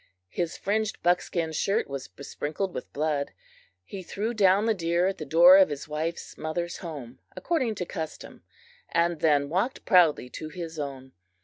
His fringed buckskin shirt was besprinkled with blood. He threw down the deer at the door of his wife's mother's home, according to custom, and then walked proudly to his own.